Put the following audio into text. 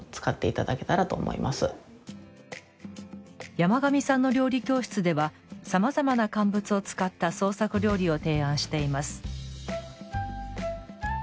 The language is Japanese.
山上さんの料理教室ではさまざまな乾物を使った創作料理を提案しています。